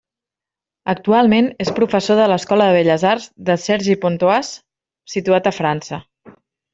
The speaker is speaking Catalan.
Actualment és professor de l'Escola de Belles Arts de Cergy-Pontoise, situada a França.